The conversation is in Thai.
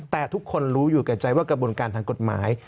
แต่ทุกคนรู้อยู่แก่ใจว่ากระบวนการทางกฎหมาย